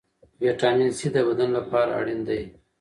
ویټامین سي د بدن لپاره اړین دی.